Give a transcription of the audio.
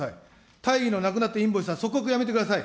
大義のなくなったインボイスは即刻やめてください。